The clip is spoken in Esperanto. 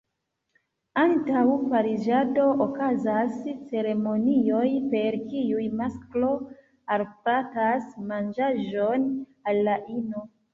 Antaŭ pariĝado okazas ceremonioj per kiuj masklo alportas manĝaĵon al la ino.